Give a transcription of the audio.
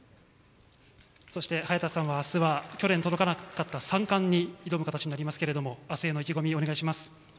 そして、早田さんは明日は去年、届かなかった三冠に挑む形になりますが明日への意気込み、お願いします。